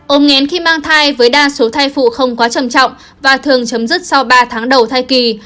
ôm ngén khi mang thai với đa số thai phụ không quá trầm trọng và thường chấm dứt sau ba tháng đầu thai kỳ